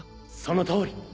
「そのとおり！